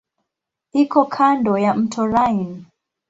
Iko kando ya mto Rhine.